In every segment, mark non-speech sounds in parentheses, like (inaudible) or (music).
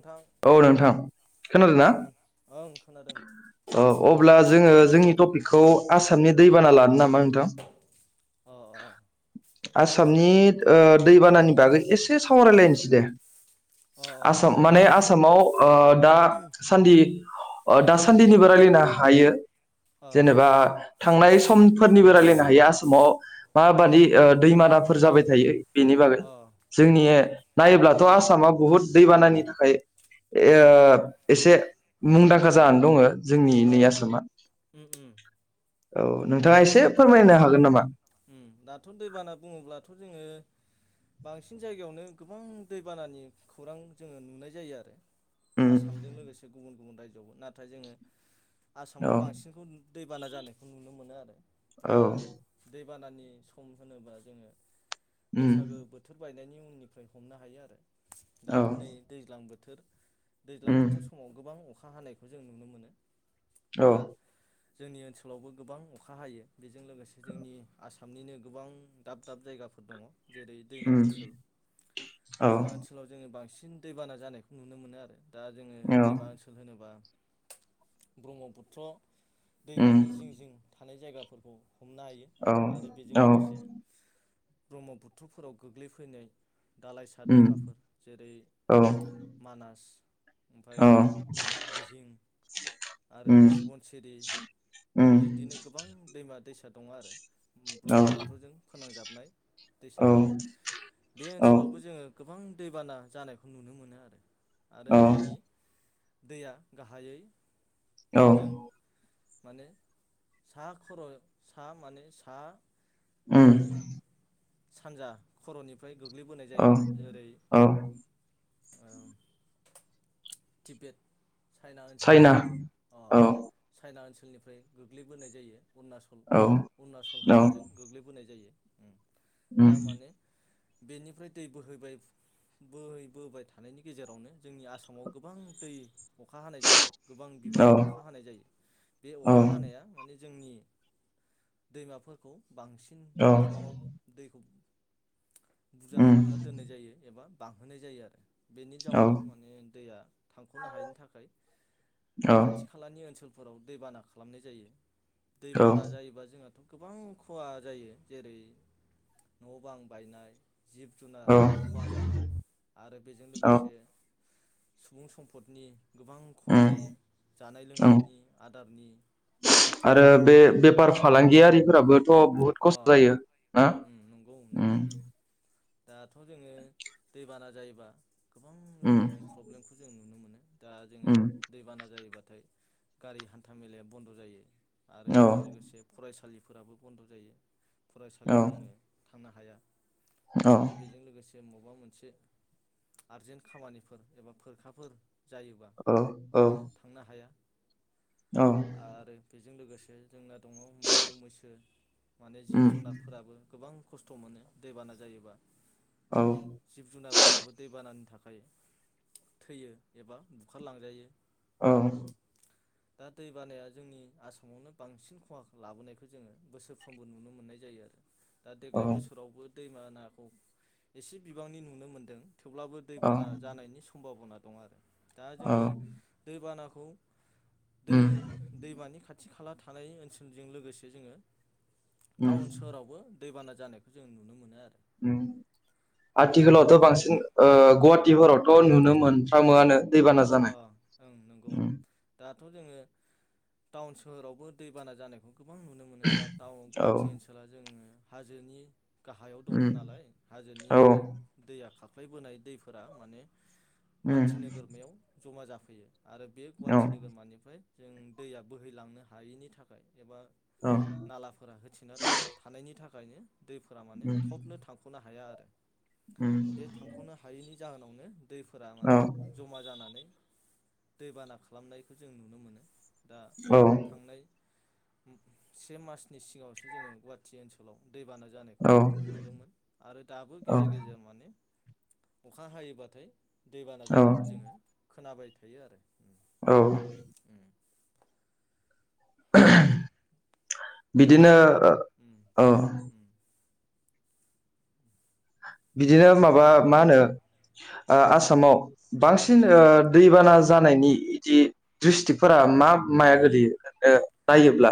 नोंथां औ नोंथां अ अ खोनादोंना? खोन ओं खोनादों औ अब्ला उम जोंङो जोंनि टपिकखौ आसामनि दैबाना लानो नामा नोंथां? अ अ उम आसामनि ओ दैबानानि बागै एसे सावरायलायनोसै दे। अ अ आसाम जागोन माने नोंथां आसामाव ओ दा सान्दि अ दासान्दिनिबो रायलायनो हायो। अ जेनेबा थांनाय समफोरनिबो रायलाय हायो आसामाव माबादि उम ओ दैबाना फोर जाबाय थायो। बेनि बागै अ जोंनि उम उम नायोब्ला थ आसामआ बहुत दैबानानि थाखाय। उम ओ एसे मुंदांखा जानानै दङो। जोंनि नै ओं आसामा। उम उम औ नोंथाङा एसे दाथ' उम फोरमायनो हागोन नामा। उम दाथ दैबाना बुङोब्लाथ जोङो। बांसिन जायगायावनो गोबां दैबानानि खौरां जोङो नुनाय जायो आरो। उम आसामजों लोगोसे गुबुन गुबुन रायजोआवबो नाथाय जोङो। औ आसामाव बांसिनखौ दैबाना जानायखौ नुनो मोनो आरो। औ दा दैबानानि सम होनोबा जोङो। उम बैसागो बोथोर बायनायनि उन। उननिफ्राय हमनो हायो आरो। औ दाथ नै दैज्लां बोथ। थोर दैज्लां उम बोथोर समाव गोबां अखा। अखा हानायखौ जों नुनो मोनो। औ दा जोंनि ओनसोलावबो गोबां अखा हायो। बेजों लोगोसे जोंनि आसाम। आसामनिनो गोबां दाब दाब जायगाफोर दङ। जेरै दैमा उम ओनसोल औ दैमा ओनसोलाव जोङो बांसिन। सिन दैबाना जानायखौ नुनो मोनो आरो। दा जोङो दैमा ओनसोल होनोबा। ब्रह्मपुत्र उम दैमानि जिं जिं थानाय जायगाफोर। उ हमनो हायो आरो बेजों औ औ लोगोसे। ब्रह्मपुत्रफोराव गोग्लैफैनाय। दालाइसा उम दैमाफोर जेरै औ मानास ओमफाय औ दिहिं आरो उम सुबन सिरि उम बिदिनो गोबां दैमा दैसा दङ' आरो। औ ब्रह्मपुत्रजों फोनांजाब नाय औ दैसाफोर बे औ ओनसोलावबो जोङो गोबां दैबाना जानायखौ नुनो मोनो आरो। आरो जोंनि दैया गाहायै औ ओजों माने सा खर' सा माने सा उम ओ सानजा खर'निफ्राय गोग्लैबोनाय औ जायो जेरै औ टि बेद चाइना ओनसोलनिफ्राय अ औ चाइना ओनस सोलनिफ्राय गोग्लैबोनाय जायो। अरुणचल औ उरुणाचल औ हाजोजों गोग्लै बोनाय जायो उम उम दा माने बेनिफ्राय दै बोहैबाय बोहै बोबाय थानायनि गेजेरावनो जोंनि आसामाव गोबां दै अखा हानाय जायो। गोबां औ बिबांनि अखा हानाय जायो। बे अखा औ हानाया माने जोंनि दैमाफोरखौ बांसिन बिबाङाव दैखौ बुरजा उम खालामना दोननाय जायो एबा बांहोनाय जायो आरो। बेनि औ जाउनाव औ माने दैया थांख'नो हायैनि थाखाय औ खाथि खालानि ओनसोल फोराव दैबाना खालामनाय जायो। दैबाना जायोबा जोंहाथ' गोबां खहा जायो जेरै न' बां बायनाय जिब जुनार औ खहा जानाय आरो बेजों औ लोगोसे सुबुं सम्पदनि गोबां खहा उम जायो जानाय ओं लोंनायनि आदारनि आरो बां थ' बुहुत अ खस्थ' जायो ना उम उम नंगौ ओम नोंथां दाथ' जोङो दैबाना जायोबा गोबां उम रोखोमनि प्रब्लेमखौ जों नुनो मोनो दा जोङो उम दैबाना जायोबा नाथाय गारि हान्था मेलाया बन्द' जायो आरो औ बेजों लोगोसे फरायसालि फोराबो बन्द' जायो औ फरायसालियाव जोङो थांनो हाया औ आरो बेजों लोगोसे जे मबेबा मोनसे आरजेन्ट खामानिफोर एबा फोरखाफोर जायोबा औ औ जोङो थांनो हाया औ आरो बेजों लोगोसे जोंना दङ मोसौ मैसो माने जिब उम जुनारफोराबो गोबां खस्थ' मोनो दैबाना जायोबा औ जिब जुनारफोराबो दैबानानि थाखाय थाखाय थैयो एबा बुखारलांजायो औ दा दै बानाया जोंनि आसामावनो बांसिन खहा लाबोनायखौ जोङो बोसोरफ्र समबो नुनो मोननाय जायो आरो दा औ देग्लाय बोसोरावबो दैबानाखौ एसे बिबांनि नुनो मोनदों थेवब्लाबो औ दैबाना जानायनि सम्भाबना दं आरो दा औ जोङो दैबानाखौ ख (inaudible) दै उम दैमानि खाथि खाला थानाय ओनसोलजों लोगोसे जोङो उम टाउन सोहोरावबो दैबाना जानायखौ जों नुनो मोनो आरो। उम दा आथिखालावथ' बांसिन टाउनफोरावबो ओ उम गुहाटिफोरावथ' नुनो मोनफ्रामोआनो दैबाना जानाय उम थ' जोङो टाउन सोहोरावबो दैबाना जानायखौ गोबां नुनो मोनो दा टाउन औ गुवाहाटि ओनसोला जोङो हाजोनि गाहायाव दङ उम नालाय औ हाजोनिफ्राय दैया खार ख्लायबोनाय दैफोरा माने उम गुवाहाटि नोगोरमायाव जमा जाफैयो आरो बे औ गुवाहाटि नोगोरमानिफ्राय जों दैया बोहैलांनो हायैनि थाखाय एबा औ नालाफोरा होथिना थानायनि था खायनो दैफोरा माने उम थबनो थांख'नो हाया। आरो उम बे थांख'नो हायैनि जाहोनावनो दैफोरा औ माने जमा जानानै दैबाना खालामनायखो जों नुनो मोनो। दा थांनाय से मासनि सिगावसो जोङो गुहाटि ओनसोलाव दैबाना जानायखौ जों नुनो मोन्दोंमोन आरो दाबो औ गेजेर गेजेर माने अखा हायोबाथाय दैबाना औ औ जानायखौ जोङो खोनाबाय थायो आरो। औ (inaudible) दा बिदिनो उम ओ उम बिदिनो माबा नों मा अ होनो ओ आसामाव बांसिन उम ओ दैबाना जानायनि इदि दिस्ट्रिक्फोरा मा माया गोलियो (inaudible) नायोब्ला?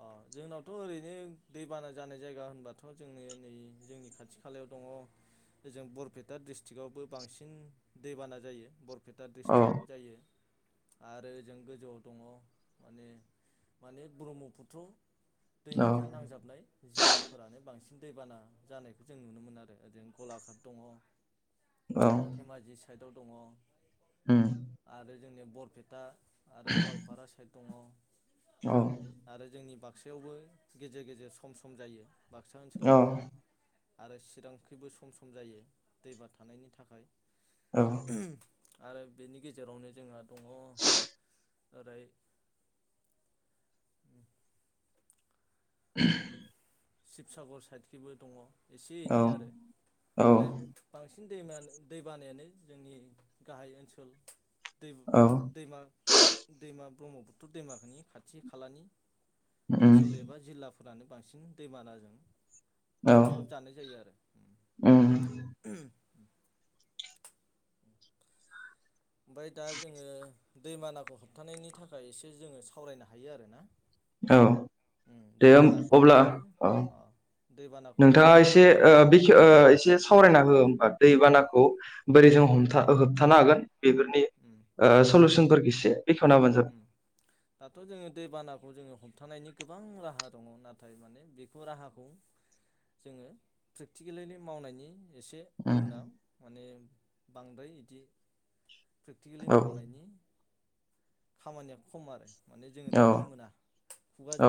अ जोंनावथ' ओरैनो दैबाना जानाय जायगा होनबाथ' जोंनि नै जोंनि खाथि खालायाव दङ ओजों बरपेटा डि्रस्टिकआवबो बांसिन दैबाना जायो बर पेटा औ ड्रिस्टिकआव जायो। आरो ओजों गोजौआव दङ माने माने ब्रह्म फुथ्र। औ दैमाजों नांजाबनाय जिल्लाफोरानो बांसिन दैबाना जानायखौ जों नुनो मोनो आरो ओरैनो गलाघाट दङ। औ धेमाजि साइ दाव दङ। उम। जोंनिया बरपेटा आरो गवालपारा साइद दङ। औ। आरो जोंनि बाक्सायावबो गेजेर गेजेर सम सम जायो। बाक्सा औ ओनसोलावबो आरो चिरांखैबो सम सम जायो दैबा थानायनि थाखाय उम। आरो बेनि गेजेरावनो जोंहा दङ' (inaudible) ओरै उम। (unintelligible) शिबसागर साइदखिबो दङ। एसे औ एनै आरो हले औ औ बांसिन बांसिन दै दै बानायानो जोंनि गाहाय ओनसोल दैबु दैमा दैमा ब्रह्मपुत्र दैमानि खाथि खालानि उम ओनसोल एबा जिल्ला फोरानो बांसिन दैमानाजों औ साग्लोबजानाय जायो आरो। उम ओमफ्राय दा जोङो दैमानाखौ होबथानायनि थाखाय एसे जोङो सावरायनो हायो आरो ना। औ दे ओम अब्ला माने औ अ दैबानाखौ नोंथाङा खमायनो एसे थाखाय जोङो ओ बेखे उम एसे ओ सावरायना हो होमबा। दैबानाखौ बोरै जों उम हमथ होबथानो हागोन। बेफोरनि उम सलुसन इसे। उम दाथ' जोंङो दै बानाखौ जोंङो हम थानायनि गोबां राहा दङ नाथाय माने बेखौ राहाखौ जोंङो प्रेक्टिकेलैलि मावनायनि एसे उम जोंनाव माने बांद्राय इदि प्रेकटिकेलि औ मावनायनि खामानिया खम आरो माने जोंङो औ नुनो मोना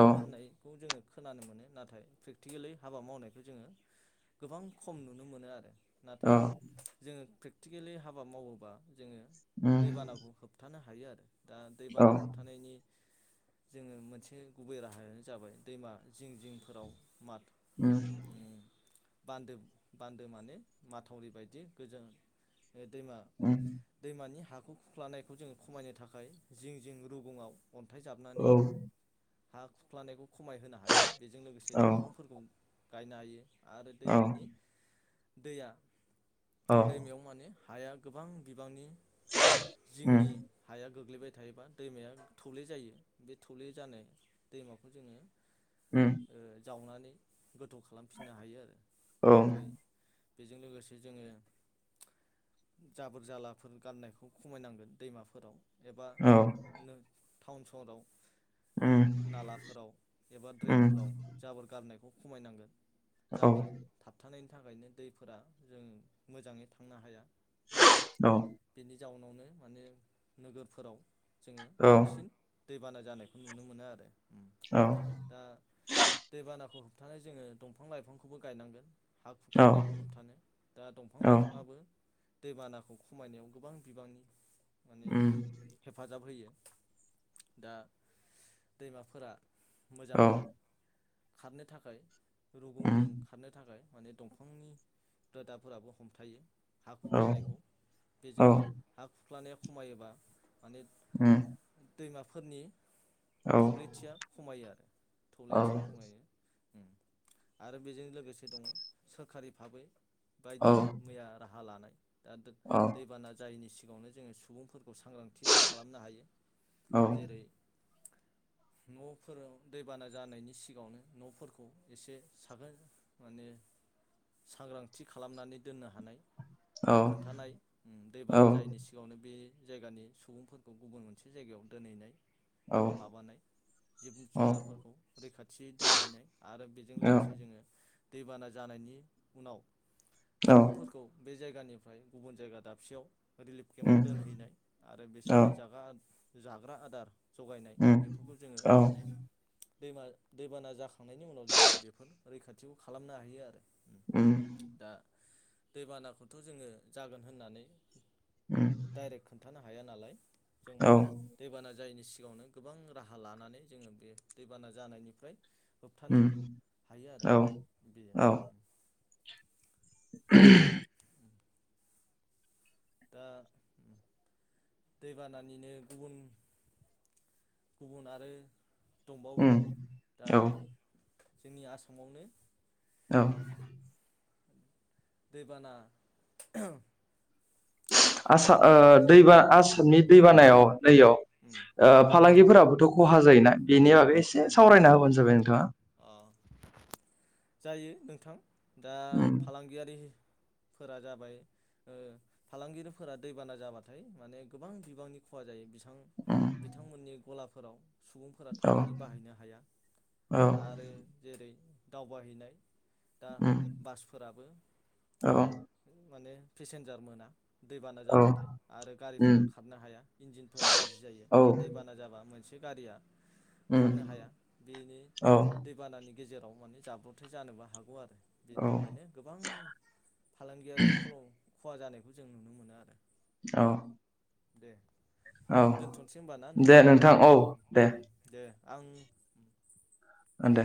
औ होननायखौ जोंङो खोनानो मोनो नाथाय प्रेकटिकेलि हाबा मावनायखौ जोंङो गोबां खम नुनो मोनो आरो नाथाय औ जोंङोे आथिकेलि हाबा मावोबा जोंङो उम दैबानाखौ होबथानो हायो (unintelligible) दा औ दैबाना होबथानायनि जोंङो मोनसे गुबै राहायानो जाबाय दैमा जिं जिंफोराव माथ उम बान्दो बान्दो माने माथावरि बायदि गोजों दैमा उम दैमानि हा बे खुख्लनायखौ जोंङो खमायनो थाखाय थाखाय जिं जिं रुबुङाव अन्थाइ औ जाबनानै हा खुख्लानायखौ खमायहोनो हायो बेजों लोगोसे दंफांफोरखौ गायनो हायो आरो औ दैमानि दैया औ दैमायाव माने हाया गोबां बिबांनि उम जोंनि गोग्लैबाय थायोबा दैमाया थौले जायो बे थौले जानो दैमाखौ जोंङो उम जावनानै गोथौ खालामफिननो हायो आरो औ ओमफाय बेजों लोगोसे जोंङो जाबोर जालाफोर गाननायखौ खमायनांगोन दैमाफोराव एबा औ नो टाउन सहराव उम नालाफोराव एबा उम ड्रेनफोराव जाबोर गारनायखौ खमायनांगोन। औ औ जाबोर थाबथानाय थाखायनो दैफोरा जों मोजाङै थांनो हाया औ। बेनि जाउनावनो माने नोगोरफोराव जोङो बांसिन दैबाना जानायखौ नुनो मोनो आरो दा दै बानाखौ होब- थानो जोङो दंफां लाइफांखौबो गायनांगोन हा औ खुरख्लानायखौ होबथानो दा दंफां औ लाइफाङाबो दैबानाखौ खमायनायाव गोबां बिबांनि माने उम हेफाजाब होयो। दा दैमाफोरा औ मोजाङै खारनो थाखाय उम रुगुंजों खारनो थाखाय माने दंफांनि रोदाफोराबो हमथायो हा औ उम औ खुरख्लानायखौ औ बेजोंनो हा खु- ख्लानाया खमायोबा माने उम दैमाफोरनि थौलेथिया खमायो आरो थौलेथिया खमायो आरो बेजों लोगोसे दङ सोरखारि भाबै बायदि मैया राहा लानाय दा औ औ दैबाना जायिनि सि- गाङावनो जोङो सुबुंफोर सांग्रांथिय खालामनो हायो जेरै न'फोराव दैबाना जानायनि सिगाङावनो न'फोरखौ एसे साखोन माने सांग्रांथि खालामनानै दोननो हानाय खोन्थानाय दैबाना जायैनि सिगाङावनो बे जायगानि सुबुंफोरखौ गुबुन मोनसे जायगायाव दोनहैनाय माबानाय जिब जुनारफोरखौ रैखाथियै दोनहैनाय आरो बेजों लोगोसे जोङो दैबाना जानायनि उनाव औ सुबुंफोरखौ बे जायगानिफ्राय गुबुन जायगा दाबसेयाव रिलिफ उम केम्पमद दोनहैनाय आरो औ बिसोरनो जागा जाग्रा आदार जगायनाय उम बेफोरखौ जोङो औ माने दैमा दैबाना जाखांनायनि उनाव जोङो बेफोर रैखाथिखौ खालामनो हायो आरो उम दा दैबानाखौथ' जोङो जागोन होननानै ओम डाइरेक्ट खोन्थानो हाया नालाय जों औ माने दैबाना जा जायनि सिगाङावनो गोबां राहा लानानै जोङो बे दैबाना जानायनिफ्राय होबथानो उम हायो आरो औ बेयो औ (inaudible) दा दैबानानिनो गुबुन गुबुन आरो दंबावो उम दा औ जोंनि आसामावनो औ दैबाना आसा ओ अ दैबा आसामनि दैबानायाव नैयाव उम उम फालांगिफोराबोथ' खहा जायोना बेनि बागै एसे उम सावरायना होबानो जाबाय नोंथाङा अ जायो नोंथां दा उम फालांगियारि फोरा जाबाय ओ फालांगिरिफोरा दैबाना जाबाथाय माने गोबां बिबांनि खहा जायो बिस उम बिथां बिथांमोननि गलाब फोराव सुबुंफोरा औ थांनानै बाहायनो हाया औ आरो जेरै दावबायाहैनाय दा उम बासफोराबो औ माने पेसेन्जार मोना दैबाना जाबाथाय आरो उम गारिफोरा खारनो हाया इन्जिनफोरा गाज्रि जायो औ दा दैबाना जाबा मोनसे बे गारिया उम खारनो हाया बेनि औ दैबानानि गेजेराव माने जाब्रबथाय जानोबो हागौ आरो बेनि औ थाखायनो गोबां फालांगियारि खलम खहा जानायखौ जों नुनो मोनो आरो औ दे औ दोनथ'नोसै होमबा ना दे नोंथां औ दे उम दे आं आ दे